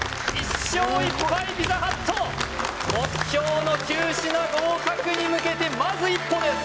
１勝１敗ピザハット目標の９品合格に向けてまず一歩です